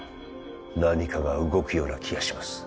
何かが動くような気がします